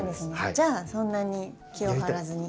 じゃあそんなに気を張らずに。